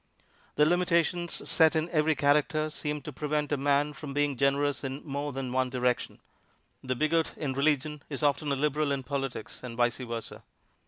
The limitations set in every character seem to prevent a man from being generous in more than one direction; the bigot in religion is often a liberal in politics, and vice versa.